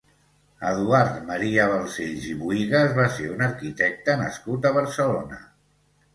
Eduard Maria Balcells i Buïgas va ser un arquitecte nascut a Barcelona.